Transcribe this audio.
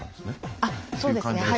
あっそうですねはい。